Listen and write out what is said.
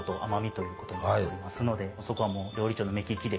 そこは料理長の目利きで。